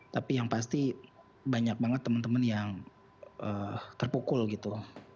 tapi yang pasti banyak banget teman teman yang terpukul gitu